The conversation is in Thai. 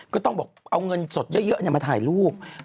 ก็ต้องบอกเอาเงินสดเยอะมาถ่ายรูป